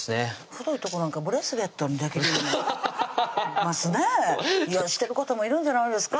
太いとこなんかブレスレットにできるしてる方もいるんじゃないですか？